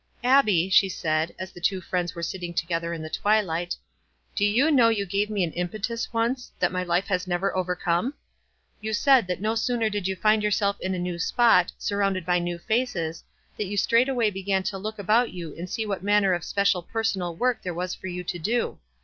"Abbie," she said, as the two friends were sitting together in the twilight, " do you know you gave me an impetus once, that my life has 6*8 WISE AXD OTHERWISE. never overcome ? You said that no sooner did you find yourself in a new spot, surrounded by new faces, than you straightway began to look about you and see what manner of special per sonal work there was for you to do.